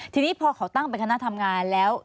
ทีนี้พอเขาตั้งเป็นคณะทำงานแล้ว